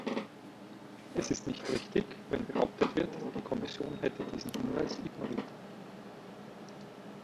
Es ist nicht richtig, wenn behauptet wird, die Kommission hätte diesen Hinweis ignoriert.